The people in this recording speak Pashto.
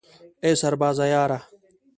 ای سربازه یاره